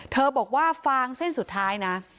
บอกว่าฟางเส้นสุดท้ายนะ